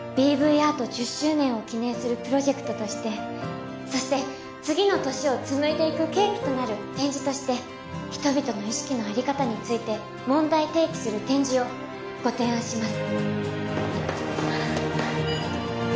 アート１０周年を記念するプロジェクトとしてそして次の年を紡いでいく契機となる展示として人々の意識のあり方について問題提起する展示をご提案します